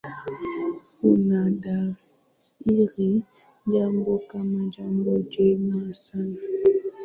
Kuna dhahiri jambo kama jambo jema sana